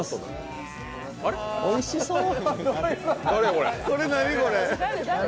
おいしそう。